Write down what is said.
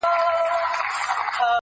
څوک چي د مار بچی په غېږ کي ګرځوینه-